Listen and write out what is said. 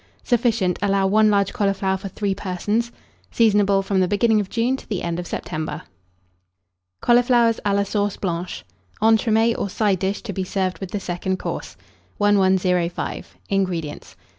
Sufficient. Allow 1 large cauliflower for 3 persons. Seasonable from the beginning of June to the end of September. CAULIFLOWERS A LA SAUCE BLANCHE. (Entremets, or Side dish, to be served with the Second Course.) 1105. INGREDIENTS.